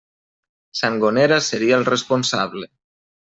Sangonera seria el responsable.